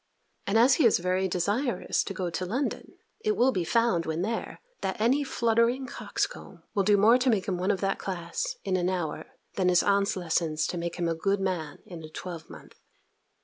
And as he is very desirous to go to London, it will be found, when there, that any fluttering coxcomb will do more to make him one of that class, in an hour, than his aunt's lessons, to make him a good man, in a twelvemonth.